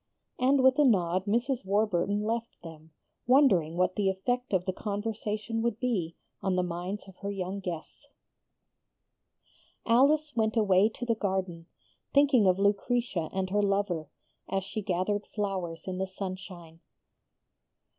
And with a nod Mrs. Warburton left them, wondering what the effect of the conversation would be on the minds of her young guests. Alice went away to the garden, thinking of Lucretia and her lover, as she gathered flowers in the sunshine.